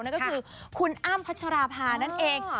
นั่นก็คือคุณอ้ำพัชราภานั่นเอง